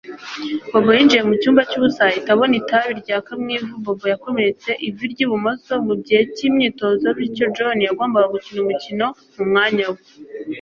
Bobo yinjiye mu cyumba cyubusa ahita abona itabi ryaka mu ivu Bobo yakomeretse ivi ryibumoso mu gihe cyimyitozo bityo John yagombaga gukina umukino mu mwanya we